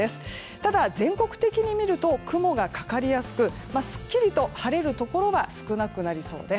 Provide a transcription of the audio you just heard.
ただ、全国的に見ると雲がかかりやすくすっきりと晴れるところは少なくなりそうです。